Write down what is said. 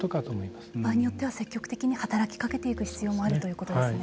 場合によっては積極的に働きかけていく必要もあるということですね。